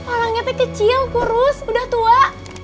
orangnya itu kecil kurus udah tua